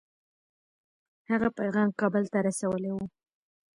هغه پیغام کابل ته رسولی وو.